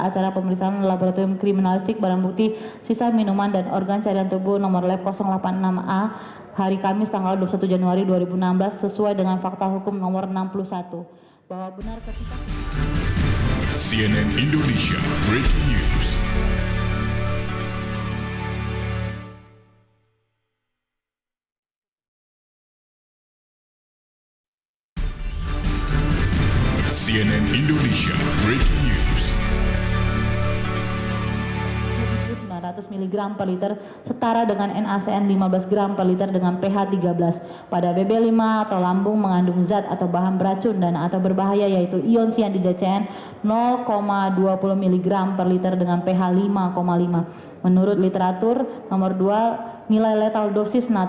cnn indonesia breaking news